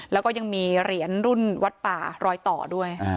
แล้วก็ยังมีเหรียญรุ่นวัดป่ารอยต่อด้วย